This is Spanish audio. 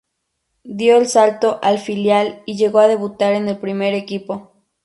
Dio el salto al filial y llegó a debutar en el primer equipo.